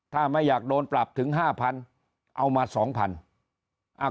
ถ้าไม่อยากโดนปรับถึง๕๐๐๐เอามา๒๐๐บาท